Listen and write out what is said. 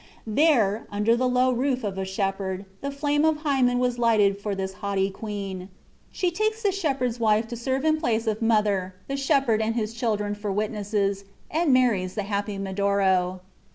There, under the low roof of a shepherd, the flame of Hymen was lighted for this haughty queen. She takes the shepherd's wife to serve in place of mother, the shepherd and his children for witnesses, and marries the happy Medoro.